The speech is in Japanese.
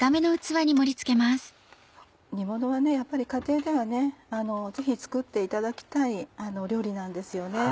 煮ものはやっぱり家庭ではぜひ作っていただきたい料理なんですよね。